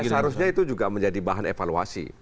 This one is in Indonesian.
seharusnya itu juga menjadi bahan evaluasi